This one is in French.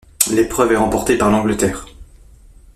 L'épreuve est remportée par l'Angleterre.